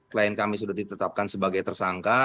klien kami sudah ditetapkan sebagai tersangka